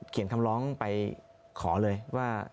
เขียนคำร้องไปขอเลยว่า